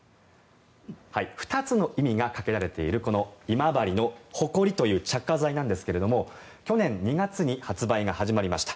２つの意味が掛けられているこの今治のホコリという着火剤なんですが去年２月に販売が始まりました。